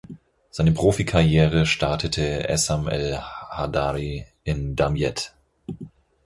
Seine Profikarriere startete Essam El-Hadary in Damiette.